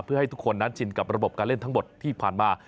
เพื่อให้ทุกคนนั้นชินกับระบบการเล่นทั้งหมดที่ผ่านมา